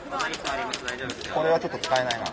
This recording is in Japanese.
これはちょっと使えないな。